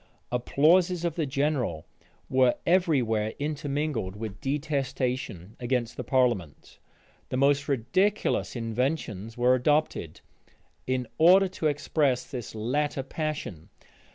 Applauses of the general were every where intermingled with detestation against the parliament The most ridiculous inventions were adopted, in order to express this latter passion.